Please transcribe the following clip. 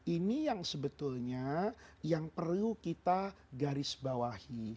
ini yang sebetulnya yang perlu kita garis bawahi